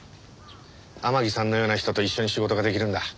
天樹さんのような人と一緒に仕事ができるんだ。